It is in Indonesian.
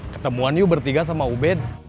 ketemuan yuk bertiga sama ubed